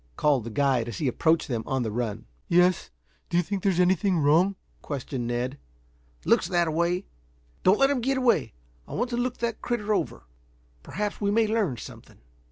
called the guide as he approached them on the run. "Yes. Do you think there's anything wrong?" questioned Ned. "Looks that way. Don't let him get away. I want to look the critter over. Perhaps we may learn something."